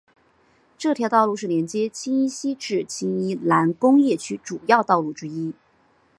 这条道路是连接青衣西至青衣南工业区主要道路之一。